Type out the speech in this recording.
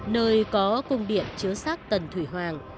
nơi có cung điện chứa sát tần thủy hoàng